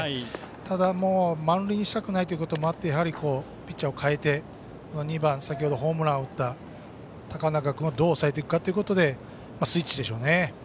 ただ、満塁にしたくないということもあってやはりピッチャーを代えて２番、先程ホームランを打った高中君どう抑えるかということでスイッチでしょうね。